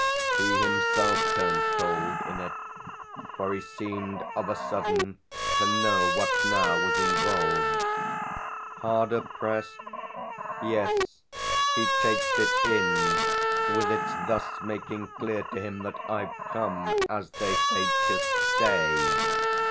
He himself turned cold in it, for he seemed of a sudden to know what now was involved. "Harder pressed? yes, he takes it in, with its thus making clear to him that I've come, as they say, 'to stay.'